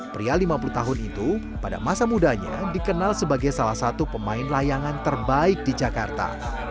pria lima puluh tahun itu pada masa mudanya dikenal sebagai salah satu pemain layangan terbaik di jakarta